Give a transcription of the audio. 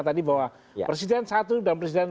tadi bahwa presiden satu dan presiden